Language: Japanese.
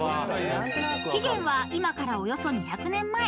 ［起源は今からおよそ２００年前］